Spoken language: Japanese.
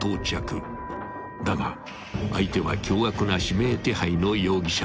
［だが相手は凶悪な指名手配の容疑者］